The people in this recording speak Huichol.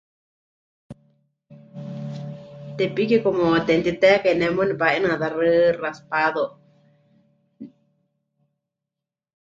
Tepiki como temɨtitekai ne muuwa nepa'inɨatáxɨ raspado.